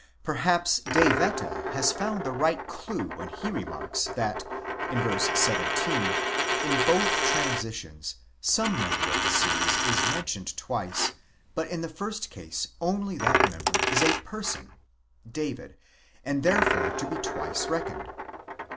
Perhaps De Wette has found the right clue when he remarks, that in v. 17, in both transitions some member of the series is mentioned twice, but in the first case only that member is a Zerson (David), and therefore ἴο' be twice reckoned.